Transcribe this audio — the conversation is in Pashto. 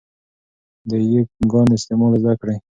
د 'ي' ګانو استعمال زده کړئ.